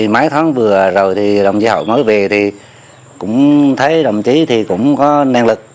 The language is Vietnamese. mấy tháng vừa rồi thì đồng chí hội nói về thì cũng thấy đồng chí thì cũng có năng lực